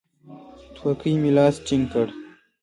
تورکي مې لاس ټينگ کړ.